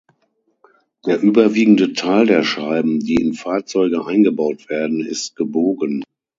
Der überwiegende Teil der Scheiben, die in Fahrzeuge eingebaut werden, ist gebogen.